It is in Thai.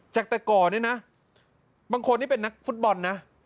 จักรกรเนี่ยนะบางคนที่เป็นนักฟุตบอลนะ